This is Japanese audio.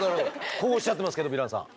こうおっしゃってますけどヴィランさん。